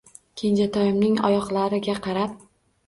Kenjatoyimning oyoqlariga qarab